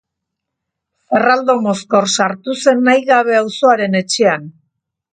Zerraldo mozkor sartu zen nahi gabe auzoaren etxean